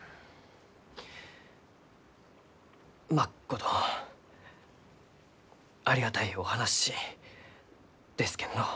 まっことありがたいお話ですけんど。